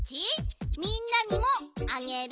みんなにもあげる？